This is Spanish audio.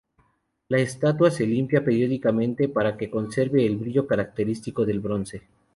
La estatua se limpia periódicamente para que conserve el brillo característico del bronce.